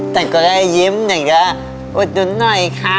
แต่ก็ได้ยิ้มอย่างเงี้ยวว่าจุ๊นหน่อยค่ะ